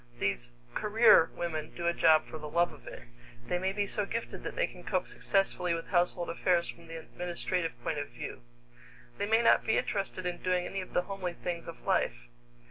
These "career" women do a job for the love of it. They may be so gifted that they can cope successfully with household affairs from the administrative point of view. They may not be interested in doing any of the homely things of life.